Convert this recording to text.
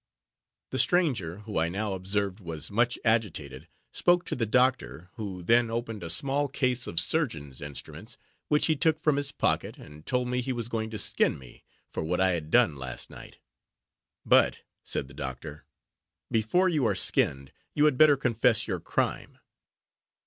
The stranger, who I now observed was much agitated, spoke to the doctor, who then opened a small case of surgeons' instruments, which he took from his pocket, and told me he was going to skin me for what I had done last night: "But," said the doctor, "before you are skinned, you had better confess your crime."